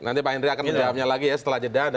nanti pak henry akan menjawabnya lagi ya setelah jeda